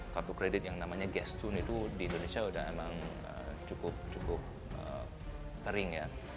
kartu kredit yang namanya gestune itu di indonesia udah emang cukup sering ya